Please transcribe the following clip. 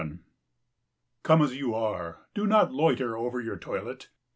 11 Come as you are; do not loiter over your toilet.